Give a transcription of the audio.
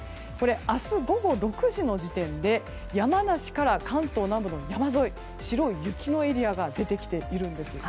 明日午後６時の時点で山梨から関東南部の山沿い白い雪のエリアが出てきているんです。